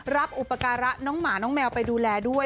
อุปการะน้องหมาน้องแมวไปดูแลด้วย